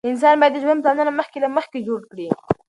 انسان باید د ژوند پلانونه مخکې له مخکې جوړ کړي.